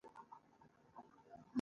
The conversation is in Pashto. موږ باید له هغه څه ملاتړ وکړو.